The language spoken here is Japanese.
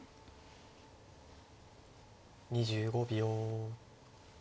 ２５秒。